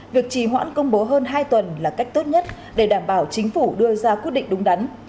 việc trì hoãn công bố hơn hai tuần là cách tốt nhất để đảm bảo chính phủ đưa ra quyết định đúng đắn